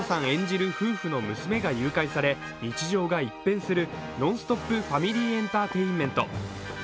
演じる夫婦の娘が誘拐され、日常が一変するノンストップファミリーエンターテインメント。